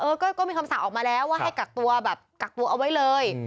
เออก็มีคำสั่งออกมาแล้วว่าให้กากตัวเอาไว้เลย